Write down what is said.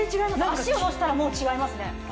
足下ろしたらもう違いますね。